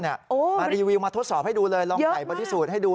มารีวิวมาทดสอบให้ดูเลยลองถ่ายบอดี้สูตรให้ดู